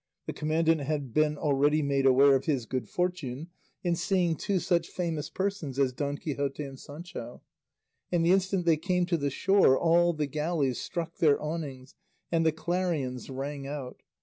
The commandant had been already made aware of his good fortune in seeing two such famous persons as Don Quixote and Sancho, and the instant they came to the shore all the galleys struck their awnings and the clarions rang out.